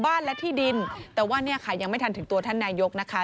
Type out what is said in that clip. บ้านและที่ดินแต่ว่าเนี่ยค่ะยังไม่ทันถึงตัวท่านนายกนะคะ